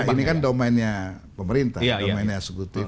ini kan domennya pemerintah domennya eksekutif